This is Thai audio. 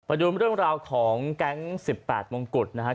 ไปดูเรื่องราวของแก๊ง๑๘มงกุฎนะครับ